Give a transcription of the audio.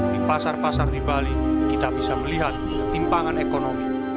di pasar pasar di bali kita bisa melihat ketimpangan ekonomi